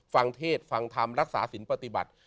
เทศฟังธรรมรักษาสินปฏิบัติ